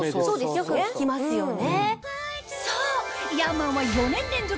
よく聞きますよね。